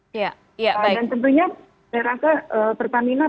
dan tentunya saya rasa pertamina